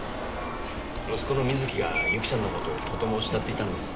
息子の瑞貴がユキちゃんの事をとても慕っていたんです。